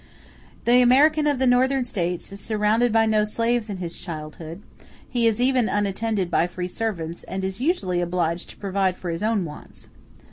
The American of the Northern States is surrounded by no slaves in his childhood; he is even unattended by free servants, and is usually obliged to provide for his own wants.